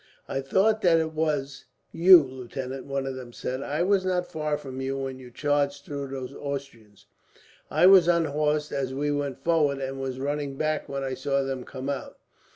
"I thought that it was you, lieutenant," one of them said. "I was not far from you, when you charged through those Austrians. I was unhorsed as we went forward, and was running back when I saw them come out.